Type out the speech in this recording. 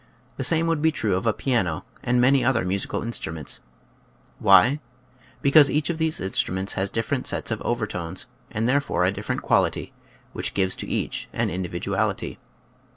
The same would be true of a piano and many other musical instruments. Why? Because each of these instruments has different sets of overtones and therefore a different quality, which gives to each an individuality.